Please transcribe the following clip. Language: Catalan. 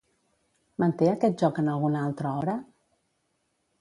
Manté aquest joc en alguna altra obra?